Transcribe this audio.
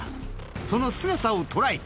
その姿を捉えた。